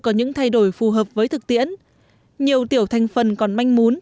có những thay đổi phù hợp với thực tiễn nhiều tiểu thành phần còn manh muốn